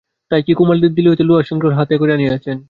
তাই কি, কুমার দিল্লি হইতে লোহার শৃঙ্খল হাতে করিয়া আনিয়াছেন!